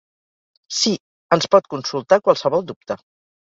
Si, ens pot consultar qualsevol dubte.